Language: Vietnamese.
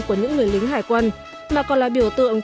của những người lính hải quân mà còn là biểu tượng